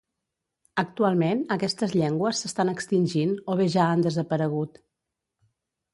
Actualment aquestes llengües s'estan extingint o bé ja han desaparegut.